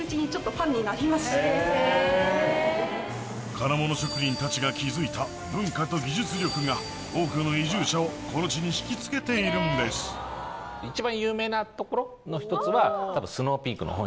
金物職人たちが築いた多くの移住者をこの地に引きつけているんですそうだ！